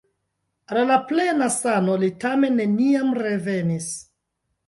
Al la plena sano li tamen neniam revenis.